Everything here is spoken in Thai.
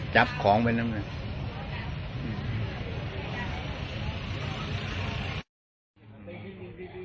จับของเป็นน้ำเงิน